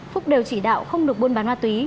phúc đều chỉ đạo không được buôn bán ma túy